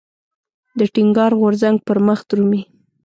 د ټينګار غورځنګ پرمخ درومي.